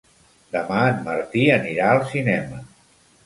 Demà en Martí anirà al cinema.